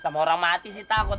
sama orang mati sih takut